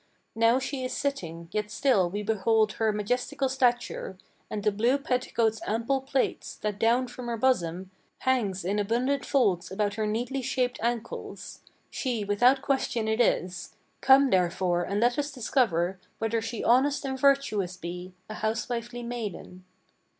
Now she is sitting, yet still we behold her majestical stature, And the blue petticoat's ample plaits, that down from her bosom Hangs in abundant folds about her neatly shaped ankles, She without question it is; come, therefore, and let us discover Whether she honest and virtuous be, a housewifely maiden."